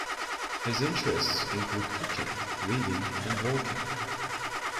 His interests include cooking, reading, and walking.